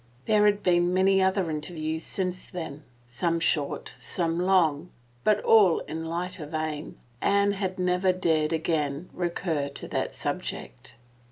There had been many other interviews since then, some short, some long, but all in lighter vein. Anne had never dared again recur to that subject.